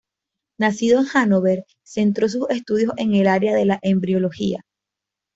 Nacido en Hanóver, centró sus estudios en el área de la embriología.